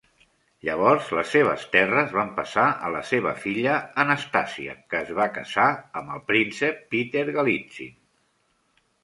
Llavors, les seves terres van passar a la seva filla, Anastasia, que es va casar amb el príncep Peter Galitzine.